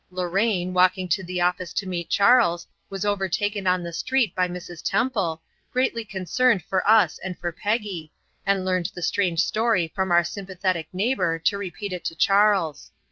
Lorraine, walking to the office to meet Charles, was overtaken on the street by Mrs. Temple, greatly concerned for us and for Peggy, and learned the strange story from our sympathetic neighbor, to repeat it to Charles.